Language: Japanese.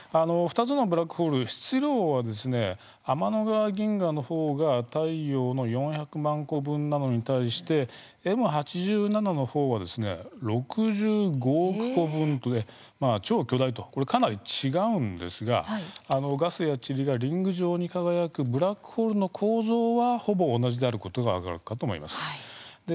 ２つのブラックホール質量は天の川銀河のほうが太陽の４００万個分なのに対してＭ８７のほうは６５億個分と超巨大と、かなり違うんですがガスやちりがリング状に輝くブラックホールの構造はほぼ同じであることが分かるかと思います。